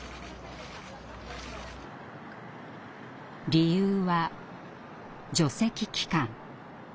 理由は「除斥期間」。